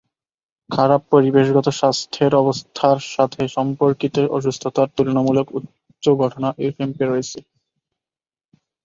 খারাপ পরিবেশগত স্বাস্থ্যের অবস্থার সাথে সম্পর্কিত অসুস্থতার তুলনামূলকভাবে উচ্চ ঘটনা এ ক্যাম্পে রয়েছে।